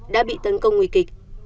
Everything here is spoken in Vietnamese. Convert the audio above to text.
đã bị tấn công nguy kịch